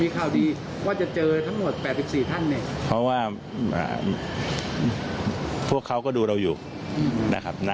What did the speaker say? ข่าวดีว่าจะเจอทั้งหมด๘๔ท่านเนี่ยเพราะว่าพวกเขาก็ดูเราอยู่นะครับ